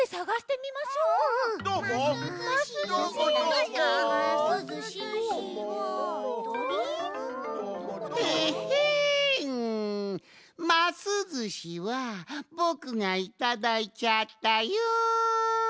ますずしはぼくがいただいちゃったよん！